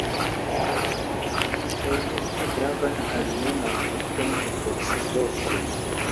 Laŭ mi tre gravan, almenaŭ portempe kaj surloke.